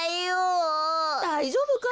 だいじょうぶか？